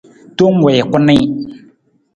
Tong wii ku nii.